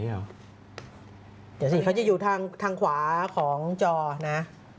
เดี๋ยวสิเขาจะอยู่ทางขวาของจอนะ